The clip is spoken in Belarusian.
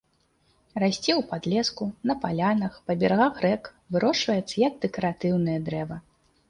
Расце ў падлеску, на палянах, па берагах рэк, вырошчваецца як дэкаратыўнае дрэва.